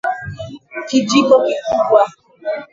Kijiko kubwa.